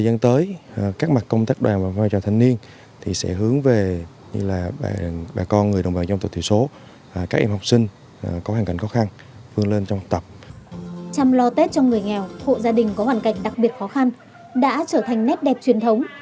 chăm lo tết cho người nghèo hộ gia đình có hoàn cảnh đặc biệt khó khăn đã trở thành nét đẹp truyền thống